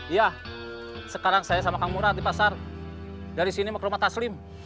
ya sekarang saya sama kang murad di pasar dari sini mau ke rumah taslim